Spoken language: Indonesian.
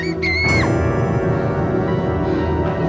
bapak kepada anda aprage california tasty